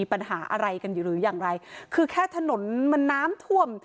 ปัญหาอะไรกันอยู่หรืออย่างไรคือแค่ถนนมันน้ำท่วม